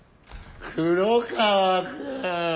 黒川君！